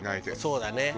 「そうだね」